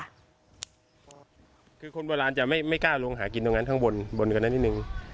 ทุกผู้คนบนร้านจะไม่แก้ลงหากินครั้งบนก็น่าที่หนึ่ง